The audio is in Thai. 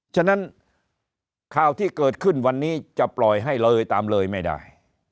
ฉะนั้นข่าวที่เกิดขึ้นวันนี้จะปล่อยให้เลยตามเลยไม่ได้